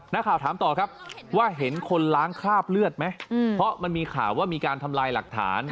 นักข่าวถามต่อครับว่าเห็นคนล้างคราบเลือดไหมเพราะมันมีข่าวว่ามีการทำลายหลักฐาน